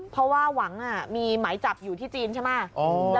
เพราะว่าหวังมีหมายจับอยู่ที่จีนใช่ไหม